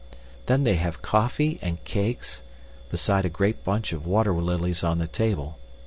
Then they have coffee and cakes, beside a great bunch of water lilies on the table.